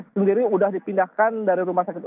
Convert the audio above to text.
sendiri sudah dipindahkan dari rumah sakit